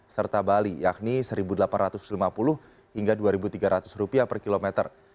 serta bali yakni rp satu delapan ratus lima puluh hingga rp dua tiga ratus per kilometer